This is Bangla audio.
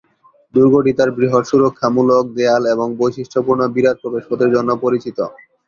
দুর্গটি তার বৃহৎ সুরক্ষামূলক দেয়াল এবং বৈশিষ্ট্যপূর্ণ বিরাট প্রবেশপথের জন্য পরিচিত।